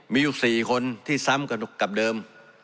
มีอยู่๔คนที่ซ้ำกับเดิม